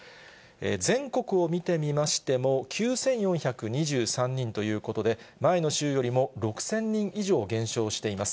全国を見てみましても、９４２３人ということで、前の週よりも６０００人以上減少しています。